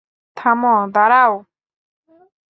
থামো, দাঁড়াও।